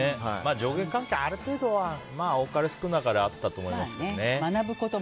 上下関係ある程度は多かれ少なかれ学ぶこともありますからね。